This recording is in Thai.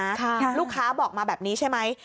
ลูกค้าบอกมาแบบนี้ใช่ไหม